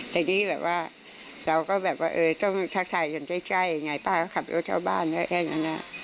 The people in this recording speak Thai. แต่นี่แบบว่าเราก็แบบว่าเออต้องทักทายกันใกล้ไงป้าก็ขับรถเข้าบ้านแค่นั้น